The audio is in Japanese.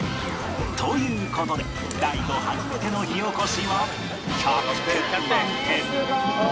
という事で大悟初めての火おこしは１００点満点！